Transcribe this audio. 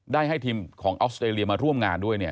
ได้ให้ทีมของออสเตรเลียมาร่วมงานด้วย